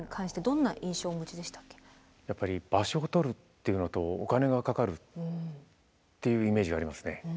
やっぱり場所を取るっていうのとお金がかかるっていうイメージがありますね。